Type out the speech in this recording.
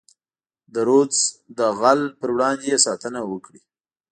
د رودز د یرغل پر وړاندې یې ساتنه وکړي.